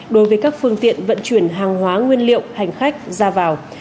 đối với các phương tiện vận chuyển hàng hóa nguyên liệu hành khách ra vào